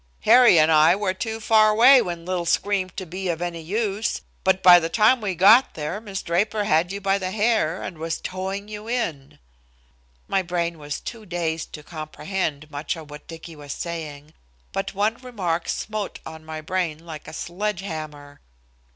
Harry and I were too far away when Lil screamed to be of any use. But by the time we got there Miss Draper had you by the hair and was towing you in." My brain was too dazed to comprehend much of what Dicky was saying, but one remark smote on my brain like a sledge hammer.